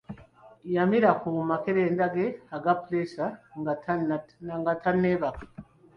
Yamira ku makerenda ge aga puleesa nga tanneebaka.